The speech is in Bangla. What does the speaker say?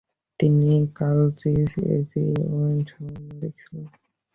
তিনি কার্ল জিস এজি এর সহ-মালিক ছিলেন।